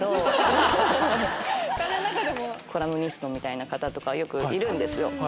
コラムニストみたいな方とかよくいるんですよ